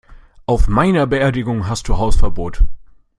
Auf meiner Beerdigung hast du Hausverbot!